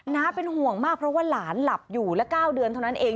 เป็นห่วงมากเพราะว่าหลานหลับอยู่และ๙เดือนเท่านั้นเอง